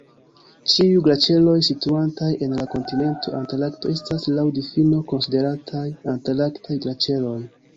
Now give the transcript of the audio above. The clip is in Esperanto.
Ĉiuj glaĉeroj situantaj en la kontinento Antarkto estas laŭ difino konsiderataj Antarktaj glaĉeroj.